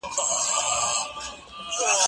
زه به سبا واښه راوړم،